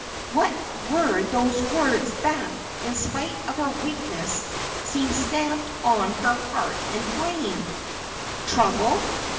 What were those words that, in spite of her weakness, seemed stamped on her heart and brain? "Trouble?